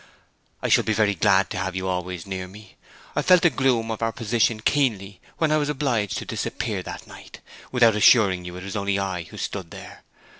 'I shall be very glad to have you always near me. I felt the gloom of our position keenly when I was obliged to disappear that night, without assuring you it was only I who stood there.